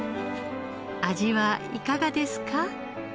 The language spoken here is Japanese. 味はいかがですか？